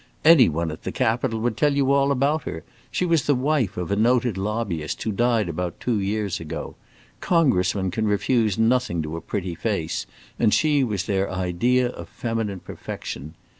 "Any one at the Capitol would tell you all about her. She was the wife of a noted lobbyist, who died about two years ago. Congressmen can refuse nothing to a pretty face, and she was their idea of feminine perfection.